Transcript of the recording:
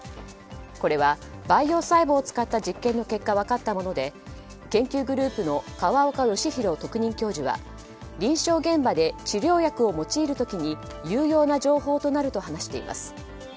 これは、培養細胞を使った実験の結果分かったもので研究グループの河岡義裕特任教授は臨床現場で、治療薬を用いる時に有用な情報となると話しています。